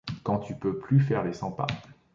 Quand tu peux plus faire les cent pas.